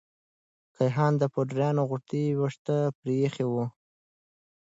کيهان د پوډريانو غوندې ويښته پريخي وه.